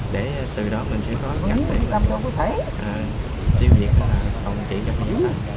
để từ đó mình sẽ có cách để